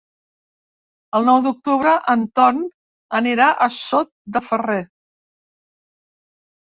El nou d'octubre en Ton anirà a Sot de Ferrer.